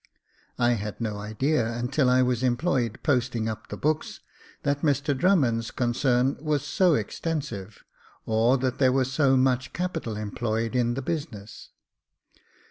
I had no idea, until I was employed posting up the books, that Mr Drummond's concern was so extensive, or that there was so much capital employed in the business.